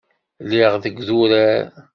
Lliɣ deg idurar.